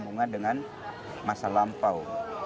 menghubungkan dengan masa lampau